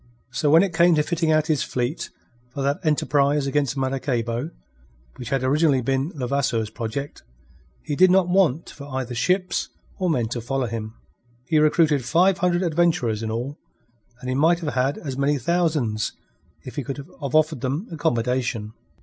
So when it came to fitting out his fleet for that enterprise against Maracaybo, which had originally been Levasseur's project, he did not want for either ships or men to follow him. He recruited five hundred adventurers in all, and he might have had as many thousands if he could have offered them accommodation.